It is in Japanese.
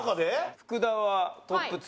福田はトップ２。